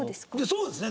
そうですね。